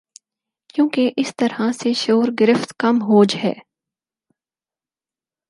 کیونکہ اس طرح سے شعور گرفت کم ہو ج ہے